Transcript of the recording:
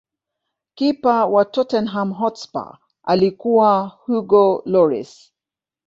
kipa wa tottenham hotspur alikuwa hugo loris